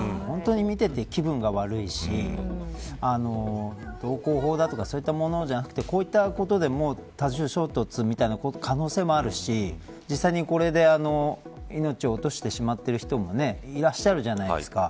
見ていて気分が悪いし道交法だとかそういうものではなくこういうことで多重衝突の可能性もあるし実際にこれで命を落としてしまっている人もいらっしゃるじゃないですか。